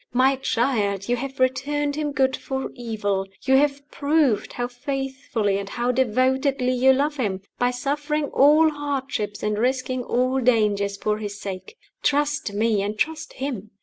My child, you have returned him good for evil you have proved how faithfully and how devotedly you love him, by suffering all hardships and risking all dangers for his sake. Trust me, and trust him!